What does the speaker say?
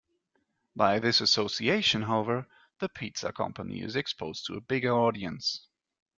By this association, however, the pizza company is exposed to a bigger audience.